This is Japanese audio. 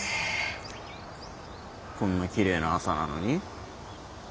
こんなきれいな朝なのに？